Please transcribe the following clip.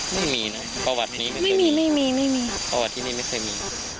ไม่มีนะประวัตินี้ไม่เคยมีไม่มีไม่มีไม่มีประวัติที่นี่ไม่เคยมี